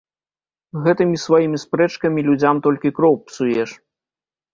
Гэтымі сваімі спрэчкамі людзям толькі кроў псуеш.